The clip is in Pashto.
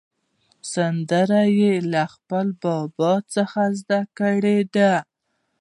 سندره یې له خپل بابا څخه زده کړې ده.